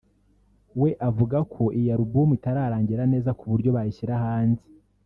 we avuga ko iyi album itararangira neza ku buryo bayishyira hanze